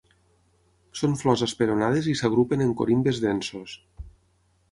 Són flors esperonades i s'agrupen en corimbes densos.